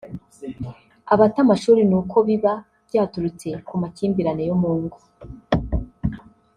abata amashuri ni uko biba byaturutse ku makimbirane yo mu ngo